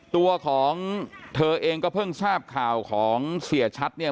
ตัวของเธอเองก็เพิ่งทราบข่าวของเสียชัดเนี่ย